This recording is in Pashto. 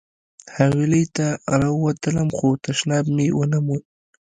حویلۍ ته راووتلم خو تشناب مې ونه موند.